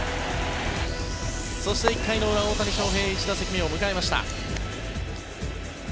そして、１回の裏、大谷翔平１打席目を迎えました。